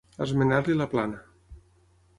Esmenar-li la plana.